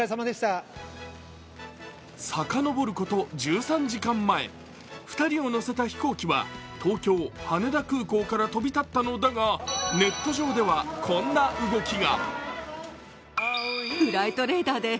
遡ること１３時間前、２人を乗せた飛行機は東京・羽田空港から飛び立ったのだが、ネット上ではこんな動きが。